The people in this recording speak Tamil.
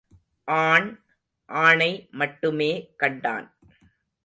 ஆண், ஆணை மட்டுமே கண்டான்.